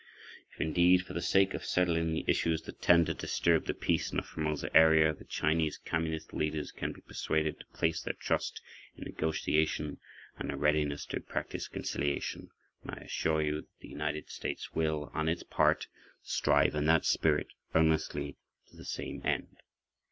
If indeed, for the sake of settling the issues that tend to disturb the peace in the Formosa area, the Chinese Communist leaders can be persuaded to [pg 24]place their trust in negotiation and a readiness to practice conciliation, then I assure you the United States will, on its part, strive in that spirit earnestly to the same end.